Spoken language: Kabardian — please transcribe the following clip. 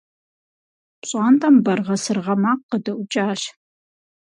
Пщӏантӏэм баргъэ-сыргъэ макъ къыдэӏукӏащ.